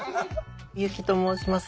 由希と申します。